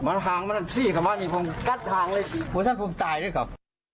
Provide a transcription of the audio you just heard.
มันหางมันสิ่งคำว่านี่ผมกัดหางเลยผู้ชมภูมิตายด้วยครับ